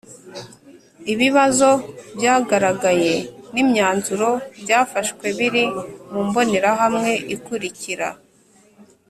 Ibibazo byagaragaye n’imyanzuro byafashwe biri mu mbonerahamwe ikurikira